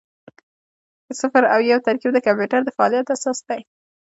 د صفر او یو ترکیب د کمپیوټر د فعالیت اساس دی.